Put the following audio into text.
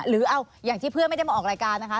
หรือเอาอย่างที่เพื่อนไม่ได้มาออกรายการนะคะ